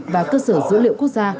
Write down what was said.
và cơ sở dữ liệu quốc gia